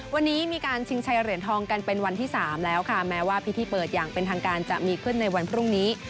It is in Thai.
วันนี้มีการชิงชัยเหรียญทองกันเป็นวันที่สามแล้วค่ะแม้ว่าพิธีเปิดอย่างเป็นทางการจะมีขึ้นในวันพรุ่งนี้